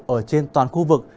ở trên toàn khu vực